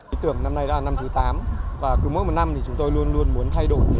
ý tưởng năm nay là năm thứ tám và mỗi một năm chúng tôi luôn luôn muốn thay đổi